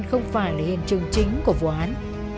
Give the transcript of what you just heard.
không phải là hiện trường chính của vụ án